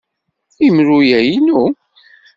Imru-a inu.